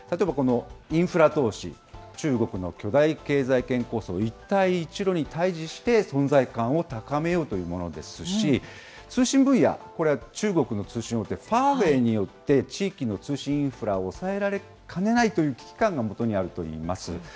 例えばインフラ投資、中国の巨大経済圏構想、一帯一路に対じして存在感を高めようというものですし、通信分野、これは中国の通信大手、ファーウェイによって、地域の通信インフラを押さえられかねないという危機感がもとにあるといいます。